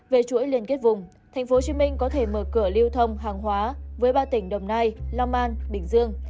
về chuỗi liên kết vùng tp hcm có thể mở cửa lưu thông hàng hóa với ba tỉnh đồng nai long an bình dương